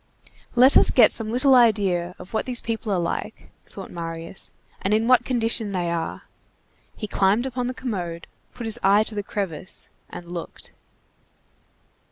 27 "Let us get some little idea of what these people are like," thought Marius, "and in what condition they are." He climbed upon the commode, put his eye to the crevice, and looked.